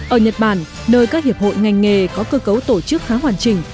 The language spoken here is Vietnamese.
ở nhật bản nơi các hiệp hội ngành nghề có cơ cấu tổ chức khá hoàn chỉnh